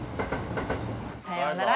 さようなら。